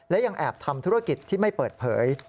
และยังแอบทำธุรกิจที่ไม่เปิดเผย